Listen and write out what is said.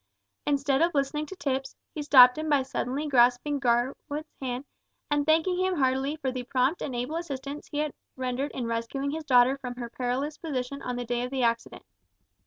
Instead of listening to Tipps, he stopped him by suddenly grasping Gurwood's hand, and thanking him heartily for the prompt and able assistance he had rendered in rescuing his daughter from her perilous position on the day of the accident.